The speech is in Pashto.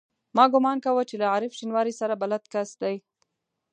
ما ګومان کاوه چې له عارف شینواري سره بلد کس دی.